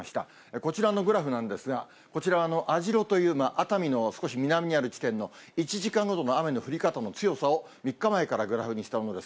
こちらのグラフなんですが、こちらは網代という熱海の少し南にある地点の１時間ごとの雨の降り方の強さを３日前からグラフにしたものです。